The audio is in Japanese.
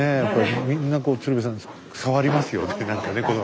みんなこう鶴瓶さん触りますよねなんかねこの。